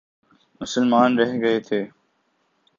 مسلمان رہ گئے تھے۔